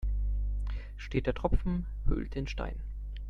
Steter Tropfen höhlt den Stein.